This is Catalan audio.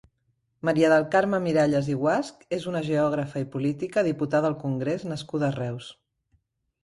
Maria del Carme Miralles i Guasch és una geògrafa i política, diputada al Congrés nascuda a Reus.